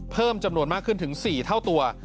เพิ่มจำนวนมากขึ้นถึง๔เท่าตัว